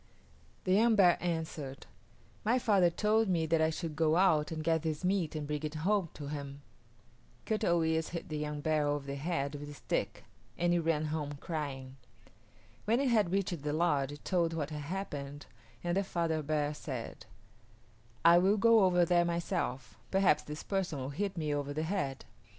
The young bear answered, "My father told me that I should go out and get this meat and bring it home to him." Kut o yis´ hit the young bear over the head with a stick and it ran home crying. When it had reached the lodge it told what had happened and the father bear said, "I will go over there myself; perhaps this person will hit me over the head."